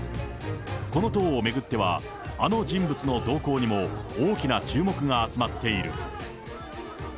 この党を巡っては、あの人物の動向にも、大きな注目が集まっている。